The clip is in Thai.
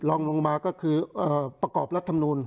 ลองลงมาก็คือเอ่อประกอบรัฐธรรมนูล